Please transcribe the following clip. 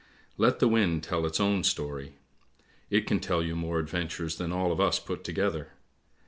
Let the wind tell its own story! It can tell you more adventures than all of us put together.